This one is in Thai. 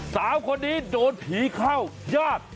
สาวคนนี้โดนผีเข้าญาติ